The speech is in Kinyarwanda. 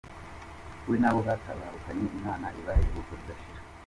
We nabo batabarukanye Imana ibahe iruhuko ridashira.